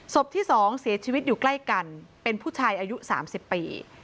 ที่๒เสียชีวิตอยู่ใกล้กันเป็นผู้ชายอายุ๓๐ปี